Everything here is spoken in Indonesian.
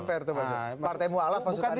itu gak fair tuh pak jokowi